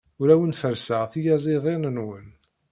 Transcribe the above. Ur awen-ferrseɣ tiyaziḍin-nwen.